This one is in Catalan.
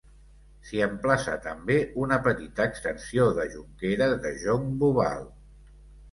S’hi emplaça també una petita extensió de jonqueres de jonc boval.